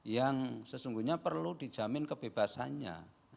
yang sesungguhnya perlu dijamin kebebasannya